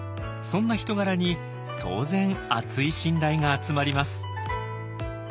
そんな人柄に当然厚い信頼が集まります。